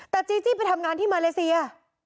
แต่จีจี้ไปทำงานที่มาเลเซีย